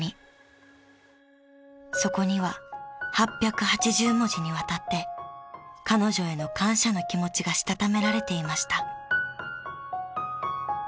［そこには８８０文字にわたって彼女への感謝の気持ちがしたためられていました］